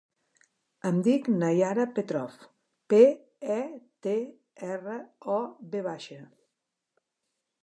Em dic Naiara Petrov: pe, e, te, erra, o, ve baixa.